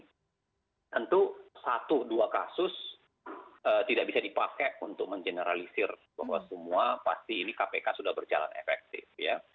tentu satu dua kasus tidak bisa dipakai untuk mengeneralisir bahwa semua pasti ini kpk sudah berjalan efektif ya